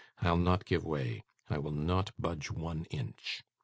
I'll not give way. I will not budge one inch!